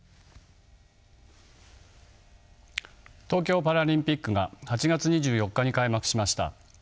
東京パラリンピックが８月２４日に開幕しました。